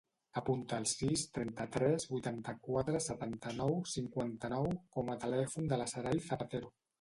Apunta el sis, trenta-tres, vuitanta-quatre, setanta-nou, cinquanta-nou com a telèfon de la Saray Zapatero.